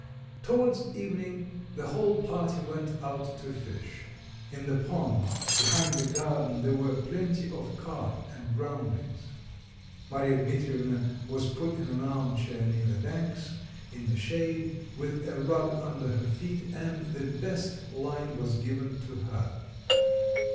Towards evening the whole party went out to fish. In the pond behind the garden there were plenty of carp and groundlings. Marya Dmitrievna was put in an arm chair near the banks, in the shade, with a rug under her feet and the best line was given to her.